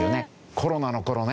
コロナの頃ね